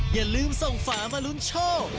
อย่าลืมส่งฝามาลุ้นโชค